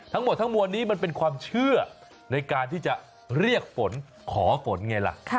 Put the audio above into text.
ทั้งหมดทั้งมวลนี้มันเป็นความเชื่อในการที่จะเรียกฝนขอฝนไงล่ะ